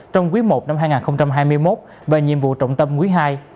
trong quý i năm hai nghìn hai mươi một và nhiệm vụ trọng tâm quý ii